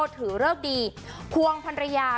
ถือเลิกดีควงพันรยา